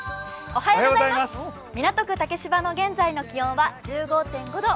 港区竹芝の現在の気温は１５．５度。